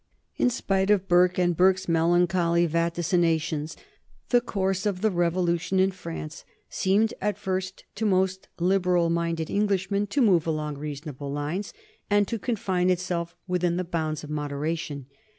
In spite of Burke and Burke's melancholy vaticinations the course of the Revolution in France seemed at first to most liberal minded Englishmen to move along reasonable lines and to confine itself within the bounds of moderation.